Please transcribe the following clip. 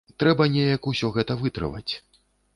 Трэба неяк усё гэта вытрываць.